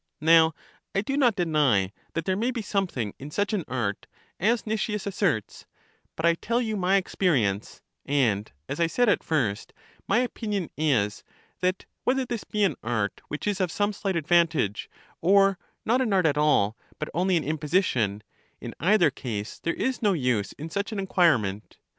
Now I do not deny that there may be something in such an art, as Nicias asserts: but I tell you my experience, and, as I said at first, my opinion is, that whether this be an art which is of some slight advantage, or not an art at all, but only an imposition; in either case there is no use in such an acquirement.